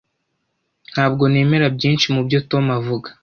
Ntabwo nemera byinshi mubyo Tom avuga.